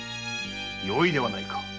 よいではないか。